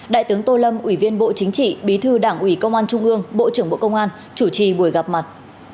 đại tướng tô lâm ủy viên bộ chính trị bí thư đảng ủy công an trung ương bộ trưởng bộ công an chủ trì buổi gặp mặt